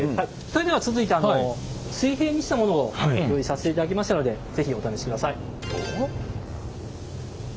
それでは続いて水平にしたものを用意させていただきましたので是非お試しください。